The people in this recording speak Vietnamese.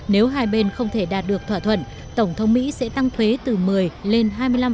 nếu hai bên không thể đạt được thỏa thuận tổng thống mỹ sẽ tăng thuế từ một mươi lên hai mươi năm